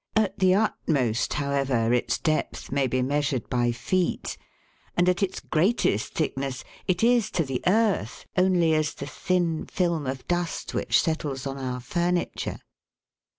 At the utmost, however, its depth may be measured by feet, and at its greatest thick DUST IN THE AIR. 7 ness it is to the earth only as the thin film of dust which settles on our furniture.